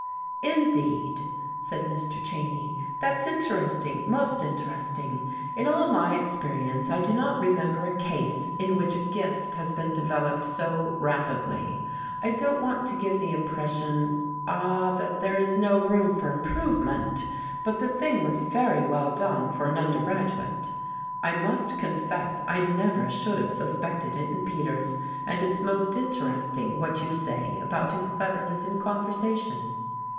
"Indeed!" said Mr. Cheyne. "That's interesting, most interesting. In all my experience, I do not remember a case in which a gift has been developed so rapidly. I don't want to give the impression ah that there is no room for improvement, but the thing was very well done, for an undergraduate. I must confess I never should have suspected it in Peters, and it's most interesting what you say about his cleverness in conversation."